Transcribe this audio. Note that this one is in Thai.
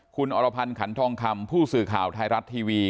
คุณอรพันธ์ขันทองคำผู้สื่อข่าวไทยรัฐทีวี